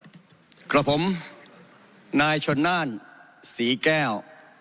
ครับกับผมนายชนน่านศรีแก้ว